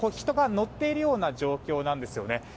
人が乗っているような状況なんですね。